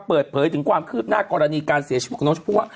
เปิดเผยถึงความคืบหน้ากรณีการเสียชีวิตของน้องชมพู่ว่า